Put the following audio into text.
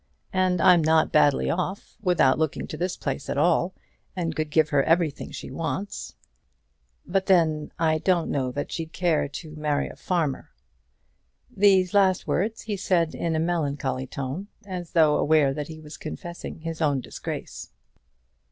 And I'm not badly off, without looking to this place at all, and could give her everything she wants. But then I don't know that she'd care to marry a farmer." These last words he said in a melancholy tone, as though aware that he was confessing his own disgrace.